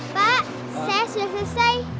saya sudah selesai